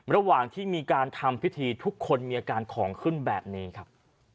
ระหว่างที่มีการทำพิธีทุกคนมีอาการของขึ้นแบบนี้ครับ